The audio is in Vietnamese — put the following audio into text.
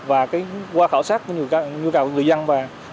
và qua khảo sát nhu cầu người dân và mức